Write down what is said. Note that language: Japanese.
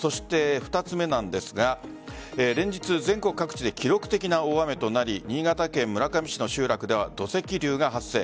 ２つ目なんですが連日、全国各地で記録的な大雨となり新潟県村上市の集落では土石流が発生。